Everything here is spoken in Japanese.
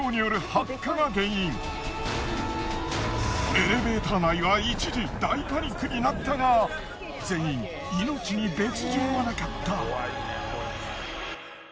エレベーター内は一時大パニックになったが全員命に別状はなかった。